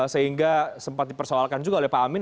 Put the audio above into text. sehingga sempat dipersoalkan juga oleh pak amin